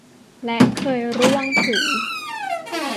และเคยร่วงถึง